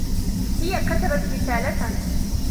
هي كتبت رسالةً.